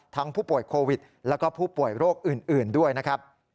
ผู้ป่วยโควิดแล้วก็ผู้ป่วยโรคอื่นด้วยนะครับ